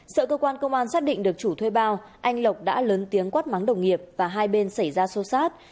sợ cơ quan công an xác định được chủ thuê bao anh lộc đã lớn tiếng quát mắng đồng nghiệp và hai bên xảy ra sâu sát